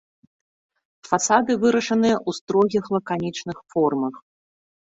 Фасады вырашаныя ў строгіх лаканічных формах.